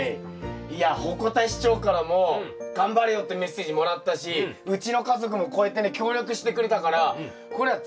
いや鉾田市長からも頑張れよってメッセージもらったしうちの家族もこうやってね協力してくれたからこれはうん。